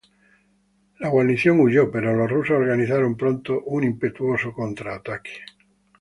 La guarnición huyó, pero los rusos organizaron pronto un impetuoso contraataque.